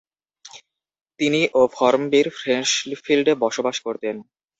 তিনি ও ফর্মবির ফ্রেশফিল্ডে বসবাস করতেন।